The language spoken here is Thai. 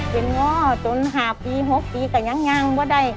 เป็นง่อจน๕ปี๖ปีก็ยังว่าได้